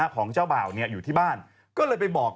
ของเจ้าบ่าวอยู่ที่บ้านก็เลยไปบอก